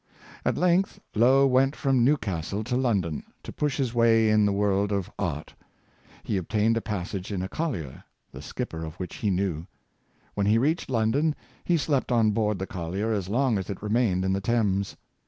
At length Lough went from Newcastle to London, to push his way in the world of art. He obtained a passage in a collier, the skipper of which he knew. When he reached London, he slept on board the collier as long as it remained in the Thames.